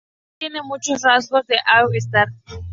Escobar tiene muchos rasgos de un All-Star.